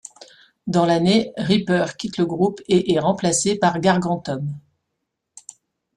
Dans l'année, Reaper quitte le groupe et est remplacé par Gargantum.